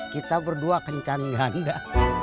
kita berdua kencan ganda